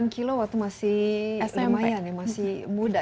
sembilan puluh sembilan kg waktu masih lumayan masih muda